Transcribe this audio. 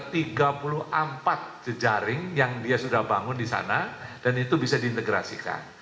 jadi dia sudah membuat jejaring yang dia sudah bangun di sana dan itu bisa diintegrasikan